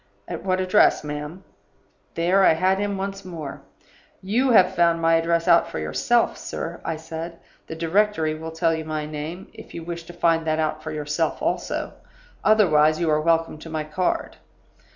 "'At what address, ma'am?' "There, I had him once more. 'You have found my address out for yourself, sir,' I said. 'The directory will tell you my name, if you wish to find that out for yourself also; otherwise, you are welcome to my card.